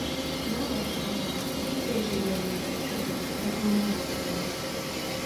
Нават, здавалася, і плечы яе яшчэ па-дзіцячаму завостраны.